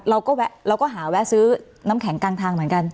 เราก็หาแวะซื้อน้ำแข็งกลางทางเหมือนกัน